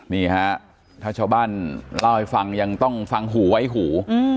นี่ฮะถ้าชาวบ้านเล่าให้ฟังยังต้องฟังหูไว้หู